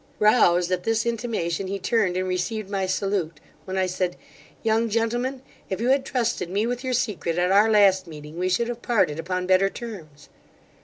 Roused at this intimation, he turned and received my salute, when I said, 'Young gentleman, if you had trusted me with your secret at our last meeting, we should have parted upon better terms.